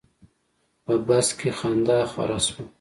په بس کې خندا خوره شوه.